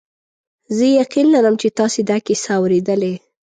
زه یقین لرم چې تاسي دا کیسه اورېدلې.